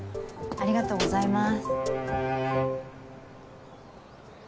ありがとうございます。